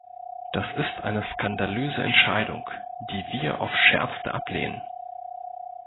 Das ist eine skandalöse Entscheidung, die wir aufs Schärfste ablehnen.